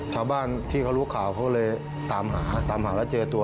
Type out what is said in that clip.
ชาวบ้านที่เขารู้ข่าวเขาเลยตามหาตามหาแล้วเจอตัว